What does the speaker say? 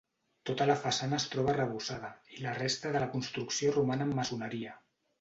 Tota la façana es troba arrebossada i la resta de la construcció roman en maçoneria.